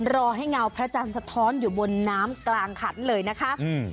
รอให้เงาพระจันทร์สะท้อนอยู่บนน้ำกลางขันเลยนะคะอืม